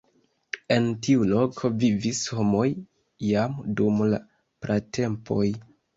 En tiu loko vivis homoj jam dum la pratempoj.